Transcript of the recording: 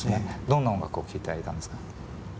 どんな音楽を聴いていたんですか？